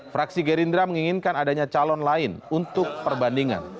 fraksi gerindra menginginkan adanya calon lain untuk perbandingan